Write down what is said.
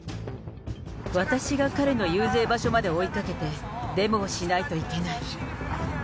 私が彼の遊説場所まで追いかけて、デモをしないといけない。